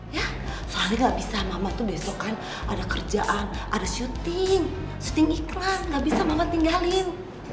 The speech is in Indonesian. ya saya gak bisa mama tuh besok kan ada kerjaan ada syuting syuting iklan gak bisa mama tinggalin